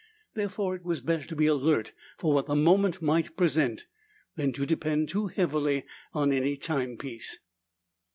Therefore, it was better to be alert for what the moment might present than to depend too heavily on any timepiece.